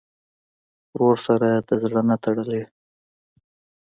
ورور سره د زړه نه تړلې یې.